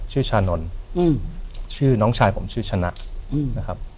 ชื่อชานนอืมชื่อน้องชายผมชื่อชนะอืมนะครับ